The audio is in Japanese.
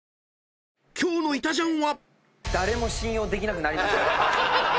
［今日の『いたジャン』は］